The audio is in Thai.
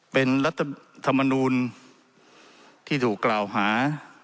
เป็นรัฐธรรมนูลที่ถูกกล่าวหา